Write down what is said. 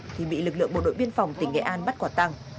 thì bị lực lượng bộ đội biên phòng tỉnh nghệ an bắt quả tăng